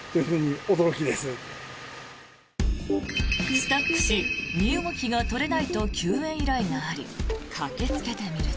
スタックし身動きが取れないと救援依頼があり駆けつけてみると。